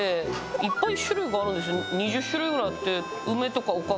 いっぱい種類があるんですよ。